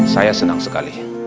saya senang sekali